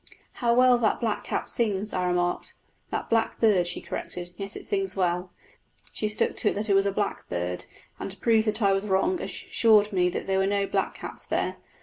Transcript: "How well that blackcap sings!" I remarked. "That blackbird," she corrected; "yes, it sings well." She stuck to it that it was a blackbird, and to prove that I was wrong assured me that there were no blackcaps there.